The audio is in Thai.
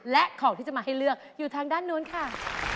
และของที่จะมาให้เลือกอยู่ทางด้านนู้นค่ะ